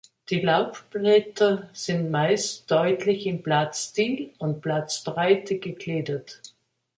Die Laubblätter sind meist deutlich in Blattstiel und Blattspreite gegliedert.